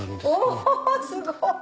おすごい！